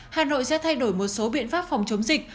hà nội sẽ thay đổi một số biện pháp phòng chống dịch